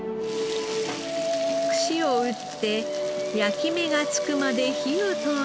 串を打って焼き目がつくまで火を通したら。